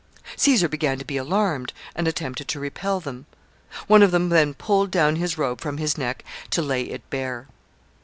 Caesar began to be alarmed, and attempted to repel them. One of them then pulled down his robe from his neck to lay it bare.